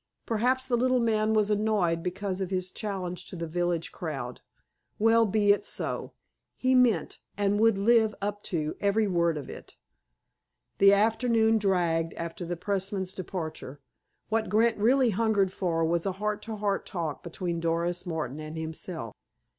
Perhaps the little man was annoyed because of his challenge to the village crowd? Well, be it so. He meant, and would live up to, every word of it! The afternoon dragged after the pressman's departure. What Grant really hungered for was a heart to heart talk between Doris Martin and himself.